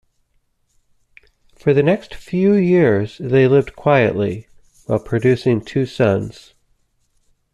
For the next few years they lived quietly, while producing two sons.